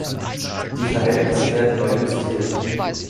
Die Verhältnisse werden neu justiert.